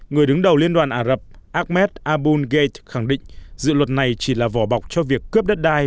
người đứng đầu liên đoàn ả rập ahmed abul gei khẳng định dự luật này chỉ là vỏ bọc cho việc cướp đất đai